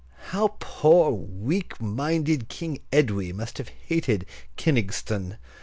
How poor weak minded King Edwy must have hated Kyningestun!